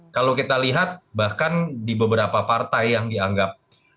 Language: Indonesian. kalau kita lihat bahkan di beberapa partai yang dianggap